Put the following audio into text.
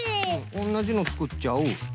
おんなじのつくっちゃう。